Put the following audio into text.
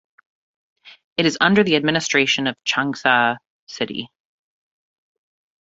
It is under the administration of Changsha City.